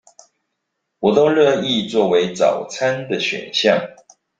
我都樂意作為早餐的選項